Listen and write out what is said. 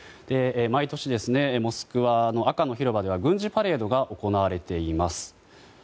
毎年、モスクワの赤の広場では軍事パレードが行われています。